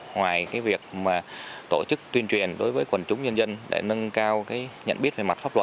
ngoài việc tổ chức tuyên truyền đối với quần chúng nhân dân để nâng cao nhận biết về mặt pháp luật